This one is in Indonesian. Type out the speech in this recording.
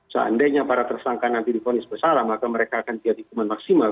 seandainya para tersangka nanti dihukumnya sebesar maka mereka akan menjadikan hukuman maksimal